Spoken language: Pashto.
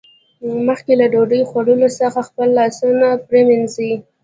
مخکې له ډوډۍ خوړلو څخه خپل لاسونه پرېمینځئ